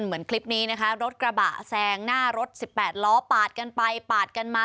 เหมือนคลิปนี้นะคะรถกระบะแซงหน้ารถ๑๘ล้อปาดกันไปปาดกันมา